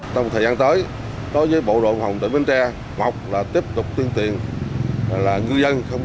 trong thời gian tới đối với bộ đội phòng tỉnh bến tre hoặc là tiếp tục tiên tiền là ngư dân không